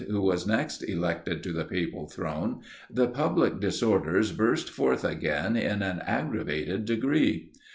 who was next elected to the papal throne, the public disorders burst forth again in an aggravated degree.